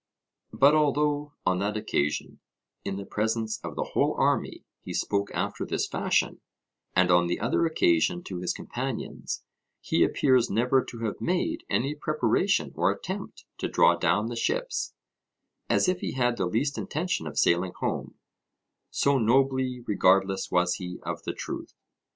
But although on that occasion, in the presence of the whole army, he spoke after this fashion, and on the other occasion to his companions, he appears never to have made any preparation or attempt to draw down the ships, as if he had the least intention of sailing home; so nobly regardless was he of the truth.